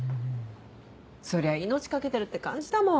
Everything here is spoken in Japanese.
そりゃ命懸けてるって感じだもん